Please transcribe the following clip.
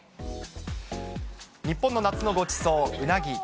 日本の夏のごちそう、うなぎ。